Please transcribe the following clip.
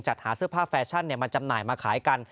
จัดหาเสื้อผ้าแฟชั่นมาจำหน่ายมาขายกัน